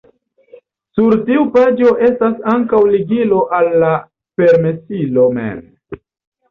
Sur tiu paĝo estas ankaŭ ligilo al la permesilo mem.